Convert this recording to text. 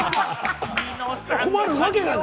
困るわけがない！